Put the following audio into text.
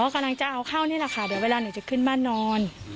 กำลังจะเอาเข้านี่แหละค่ะเดี๋ยวเวลาหนูจะขึ้นบ้านนอน